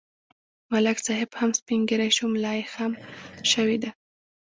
ملک صاحب هم سپین ږیری شو، ملایې خم شوې ده.